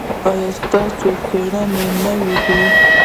ایا ستاسو څیړنې نوې دي؟